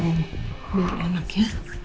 ini enak ya